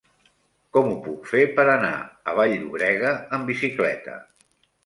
Com ho puc fer per anar a Vall-llobrega amb bicicleta?